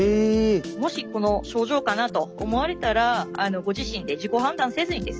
もしこの症状かなと思われたらご自身で自己判断せずにですね